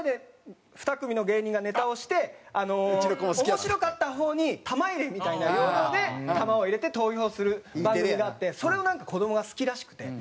面白かった方に玉入れみたいな要領で玉を入れて投票する番組があってそれをなんか子供が好きらしくて。